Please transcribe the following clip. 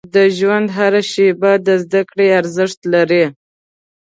• د ژوند هره شیبه د زده کړې ارزښت لري.